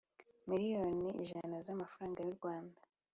miliyoni ijana z’amafaranga y’u Rwanda